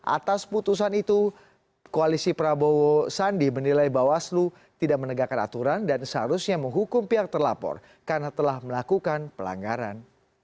atas putusan itu koalisi prabowo sandi menilai bawaslu tidak menegakkan aturan dan seharusnya menghukum pihak terlapor karena telah melakukan pelanggaran